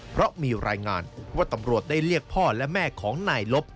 เพราะมีรายงานว่าตำรวจได้เรียกพ่อและแม่ของนายลบ